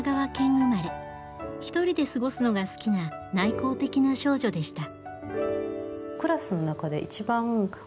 一人で過ごすのが好きな内向的な少女でした。